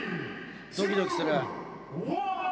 ドキドキする。